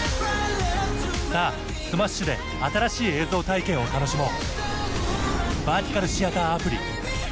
さぁ、ｓｍａｓｈ．で新しい映像体験を楽しもう。